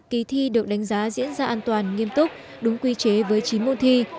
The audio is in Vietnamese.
kỳ thi được đánh giá diễn ra an toàn nghiêm túc đúng quy chế với chín môn thi